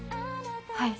はい。